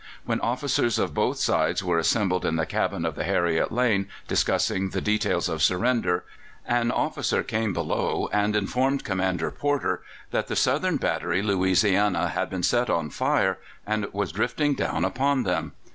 When officers of both sides were assembled in the cabin of the Harriet Lane discussing the details of surrender, an officer came below and informed Commander Porter that the Southern battery Louisiana had been set on fire and was drifting down upon them.